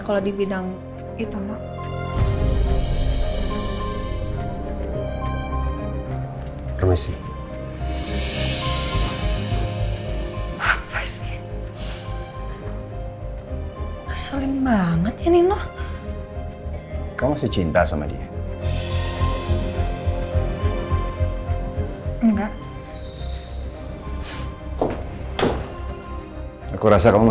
kalau di bidang itu mak